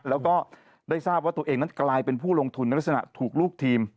แล้วก็ได้ทราบว่าตัวเองนั้นกลายเป็นผู้ลงทุนในลักษณะถูกลูกทีม